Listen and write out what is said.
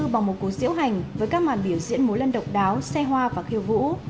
bằng một cuộc diễu hành với các màn biểu diễn mối lân độc đáo xe hoa và khiêu vũ